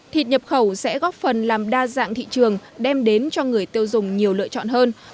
thịt nhập khẩu sẽ góp phần làm đa dạng thị trường đem đến cho người tiêu dùng nhiều lựa chọn hơn